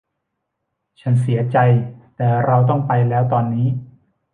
ฉันเสียใจแต่เราต้องไปแล้วตอนนี้